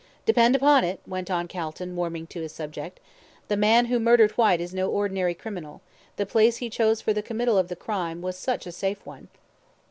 Depend upon it," went on Calton, warming to his subject, "the man who murdered Whyte is no ordinary criminal; the place he chose for the committal of the crime was such a safe one."